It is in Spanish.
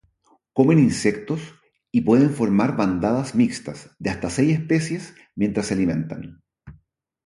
Comen insectos y pueden formar bandadas mixtas de hasta seis especies mientras se alimentan.